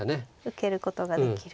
受けることができる。